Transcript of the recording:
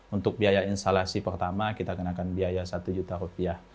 untuk biaya instalasi pertama kita kenakan biaya satu juta rupiah